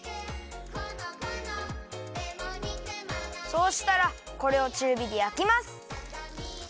そうしたらこれをちゅうびでやきます。